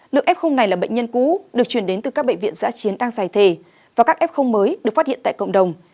lượng f này là bệnh nhân cũ được chuyển đến từ các bệnh viện giã chiến đang giải thể và các f mới được phát hiện tại cộng đồng